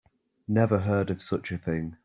Never heard of such a thing.